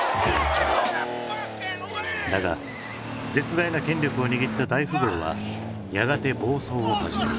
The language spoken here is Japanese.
だが絶大な権力を握った大富豪はやがて暴走を始める。